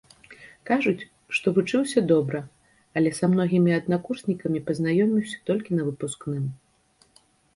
Кажуць, што вучыўся добра, але са многімі аднакурснікамі пазнаёміўся толькі на выпускным.